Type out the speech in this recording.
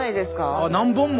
あ何本も。